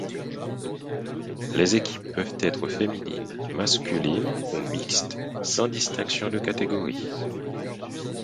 Les équipes peuvent-être féminines, masculines ou mixtes sans distinction de catégories.